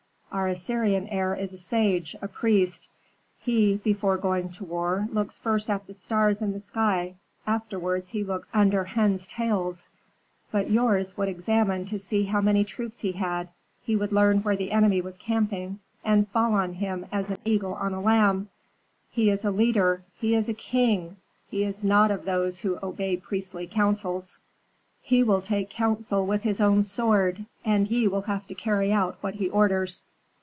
Our Assyrian heir is a sage, a priest. He, before going to war, looks first at the stars in the sky; afterward he looks under hens' tails. But yours would examine to see how many troops he had; he would learn where the enemy was camping, and fall on him as an eagle on a lamb. He is a leader, he is a king! He is not of those who obey priestly counsels. He will take counsel with his own sword, and ye will have to carry out what he orders.